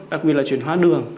đặc biệt là chuyển hóa đường